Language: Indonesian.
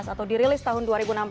atau dirilis tahun dua ribu enam belas